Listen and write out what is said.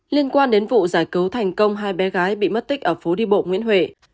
liên quan đến vụ giải cứu thành công hai bé gái bị mất tích ở phố đi bộ nguyễn huệ